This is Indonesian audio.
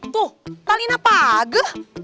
tuh tali ini pageh